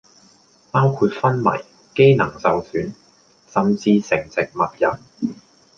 包括昏迷，機能受損、甚至成植物人